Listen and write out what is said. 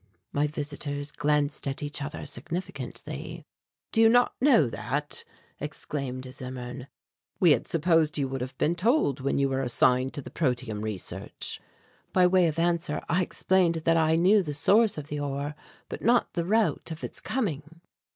My visitors glanced at each other significantly. "Do you not know that?" exclaimed Zimmern. "We had supposed you would have been told when you were assigned to the protium research." By way of answer I explained that I knew the source of the ore but not the route of its coming.